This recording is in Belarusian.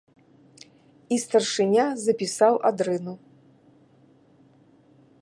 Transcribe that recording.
І старшыня запісаў адрыну.